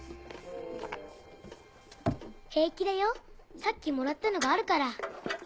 平気だよさっきもらったのがあるから。